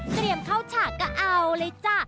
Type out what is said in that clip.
เตรียมเข้าฉากก็เอาเลยจ้ะ